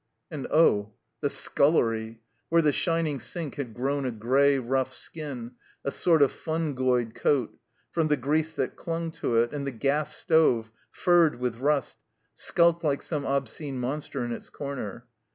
And oh ! the scullery, where the shining sink had grown a gray, rough skin, a sort of fxmgoid coat, from the grease that climg to it, and the gas stove, furred with rust, skulked like some obscene monster in its comer.